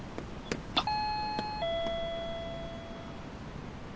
あっ。